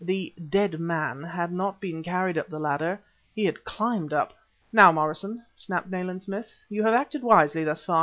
The "dead man" had not been carried up the ladder; he had climbed up! "Now, Morrison," snapped Nayland Smith, "you have acted wisely thus far.